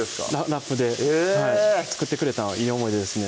ラップで作ってくれたんはいい思い出ですね